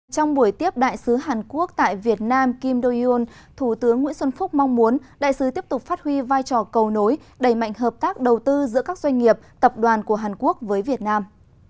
trong buổi tiếp đại sứ hàn quốc tại việt nam kim do yoon thủ tướng nguyễn xuân phúc mong muốn đại sứ tiếp tục phát huy vai trò cầu nối đẩy mạnh hợp tác đầu tư giữa các doanh nghiệp tập đoàn của hàn quốc với việt nam